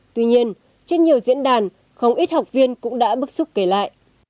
tuy nhiên trên nhiều diễn đàn không ít học viên cũng đã bức xúc kể lại